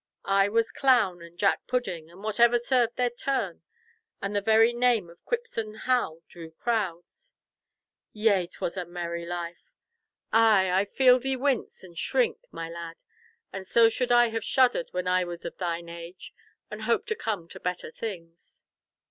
I was Clown and Jack Pudding and whatever served their turn, and the very name of Quipsome Hal drew crowds. Yea, 'twas a merry life! Ay, I feel thee wince and shrink, my lad; and so should I have shuddered when I was of thine age, and hoped to come to better things."